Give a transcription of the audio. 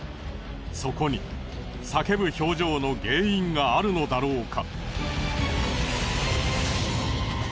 そこに叫ぶ表情の原因があるのだろうか？